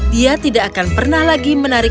dia tidak akan pernah lagi menarik